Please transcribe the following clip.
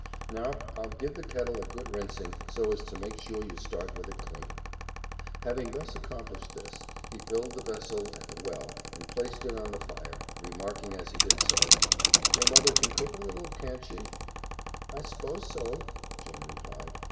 Now, I'll give the kettle a good rinsing, so as to make sure you start with it clean." Having accomplished this, he filled the vessel at the well and placed it on the fire, remarking as he did so, "Your mother can cook a little, can't she?" "I s'pose so," Jane replied.